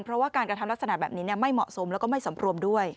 เพราะว่าการกระทำลักษณะแบบนี้ไม่เหมาะสมแล้วก็ไม่สำรวมด้วย